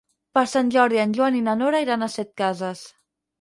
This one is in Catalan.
Per Sant Jordi en Joan i na Nora iran a Setcases.